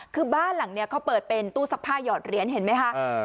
คือบ้านหลังนี้เขาเปิดเป็นตู้ซักผ้าหยอดเหรียญเห็นไหมคะ